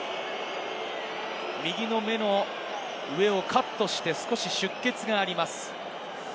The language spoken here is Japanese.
右の目の上をカットして出血があります。